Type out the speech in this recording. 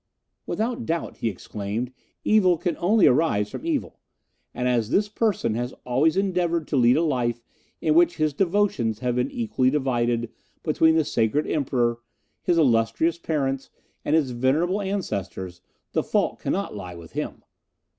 "Without doubt," he exclaimed, "evil can only arise from evil, and as this person has always endeavoured to lead a life in which his devotions have been equally divided between the sacred Emperor, his illustrious parents, and his venerable ancestors, the fault cannot lie with him.